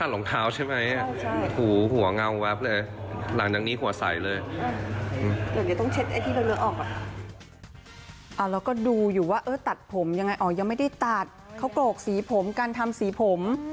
แล้วก็ดูอยู่ว่าตัดผมยังไงออกยังไม่ได้ตัดเขาโกรกสีผมการทำสีผม